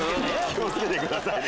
気を付けてください。